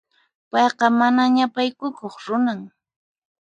Payqa mana ñapaykukuq runan.